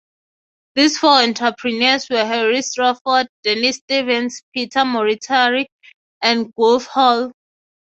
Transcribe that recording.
These four entrepreneurs were Harry Stratford, Dennis Stephens, Peter Moriarty, and Geoff Hall.